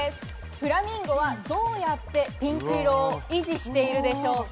フラミンゴはどうやってピンク色を維持しているでしょうか？